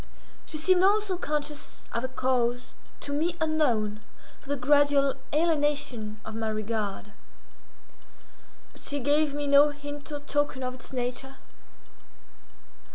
She seemed, also, conscious of a cause, to me unknown, for the gradual alienation of my regard; but she gave me no hint or token of its nature.